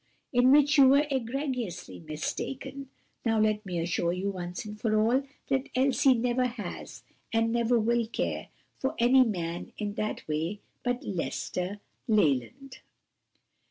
"In which you were egregiously mistaken. Now let me assure you once for all, that Elsie never has and never will care for any man in that way but Lester Leland."